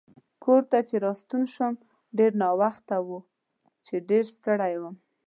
کور ته چې راستون شوم ډېر ناوخته و چې ډېر ستړی وم.